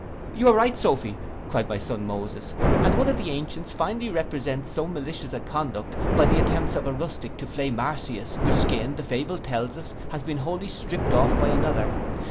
'—'You are right, Sophy,' cried my son Moses, 'and one of the ancients finely represents so malicious a conduct, by the attempts of a rustic to flay Marsyas, whose skin, the fable tells us, had been wholly stript off by another.